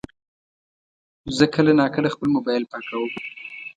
زه کله ناکله خپل موبایل پاکوم.